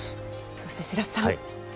そして白洲さん。